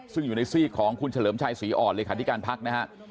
ซึ่งอยู่ในซีกของคุณเฉลิมชัยศรีอ่อนเลขาธิการพักนะฮะ